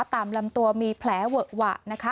ตามลำตัวมีแผลเวอะวะ